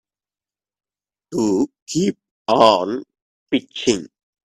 To keep on pitching.